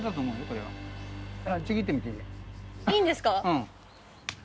うん。